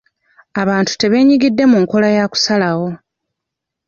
Abantu tebenyigidde mu nkola ya kusalawo.